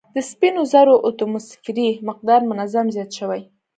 د سپینو زرو اتوموسفیري مقدار منظم زیات شوی